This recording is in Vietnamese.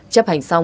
chấp hành xong